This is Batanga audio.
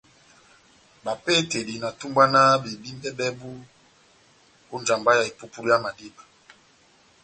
Bapehetedi na tumbwanahani bebímbɛ bɛbu ó njamba ya epupudu yá madíba.